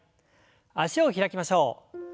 脚を開きましょう。